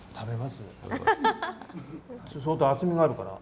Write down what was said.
相当厚みがあるから。